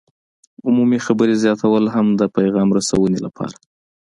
عمومي خبرې زیاتول هم د پیغام رسونې لپاره